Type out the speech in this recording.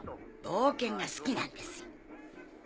冒険が好きなんですよ。